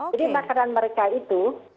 jadi makanan mereka itu